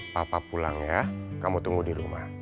papa pulang ya kamu tunggu di rumah